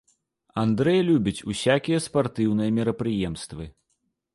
Андрэй любіць усякія спартыўныя мерапрыемствы.